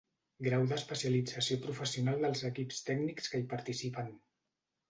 Grau d'especialització professional dels equips tècnics que hi participen.